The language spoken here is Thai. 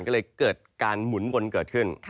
ก็เลยเกิดการหมุนวนเกิดขึ้น